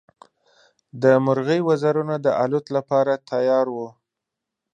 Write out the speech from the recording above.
د مرغۍ وزرونه د الوت لپاره تیار وو.